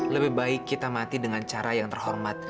lebih baik kita mati dengan cara yang terhormat